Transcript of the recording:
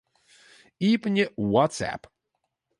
Iepenje WhatsApp.